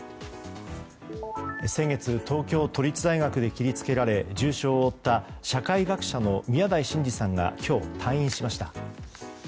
先月東京都立大学で切り付けられ重傷を負った社会学者の宮台真司さんが今日退院しました。